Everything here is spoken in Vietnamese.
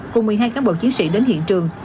cùng một mươi hai cán bộ chiến sĩ đến hiện trường